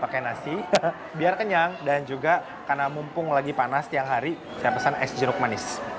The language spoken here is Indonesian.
pakai nasi biar kenyang dan juga karena mumpung lagi panas tiang hari saya pesan es jeruk manis